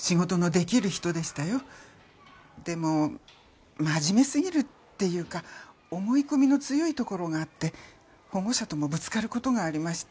でも真面目すぎるっていうか思い込みの強いところがあって保護者ともぶつかる事がありました。